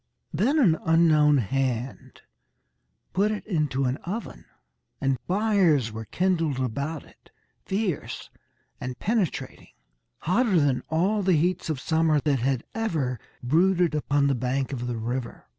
Then an unknown hand put it into an oven, and fires were kindled about it fierce and penetrating hotter than all the heats of summer that had ever brooded upon the bank of the river.